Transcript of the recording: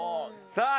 さあ